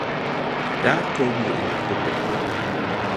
Daar komen we in de problemen.